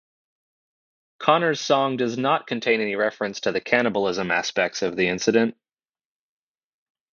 Connors' song does not contain any reference to the cannibalism aspects of the incident.